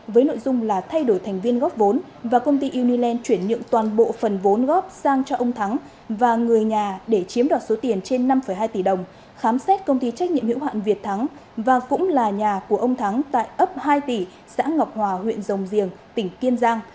với nội dung là thay đổi thành viên góp vốn và công ty uniland chuyển nhượng toàn bộ phần vốn góp sang cho ông thắng và người nhà để chiếm đoạt số tiền trên năm hai tỷ đồng khám xét công ty trách nhiệm hiệu hạn việt thắng và cũng là nhà của ông thắng tại ấp hai tỷ xã ngọc hòa huyện rồng riềng tỉnh kiên giang